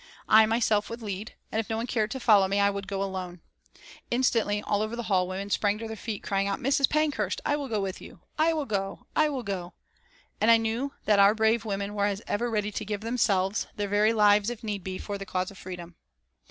I myself would lead, and if no one cared to follow me I would go alone. Instantly, all over the hall, women sprang to their feet crying out, "Mrs. Pankhurst, I will go with you!" "I will go!" "I will go!" And I knew that our brave women were as ever ready to give themselves, their very lives, if need be, for the cause of freedom.